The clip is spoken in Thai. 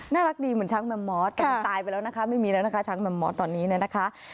น่ารักดีเหมือนช้างแมมมอสแต่มันตายไปแล้วนะคะไม่มีแล้วนะคะช้างแมมมอสตอนนี้เนี่ยนะคะ